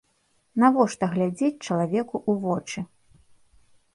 Навошта глядзець чалавеку ў вочы?